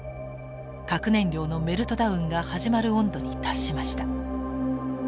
核燃料のメルトダウンが始まる温度に達しました。